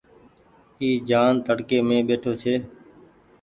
اي جآن تڙڪي مين ٻيٺو ڇي۔